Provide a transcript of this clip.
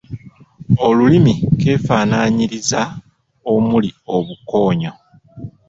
Olulimi keefanaanyiriza omuli obukoonyo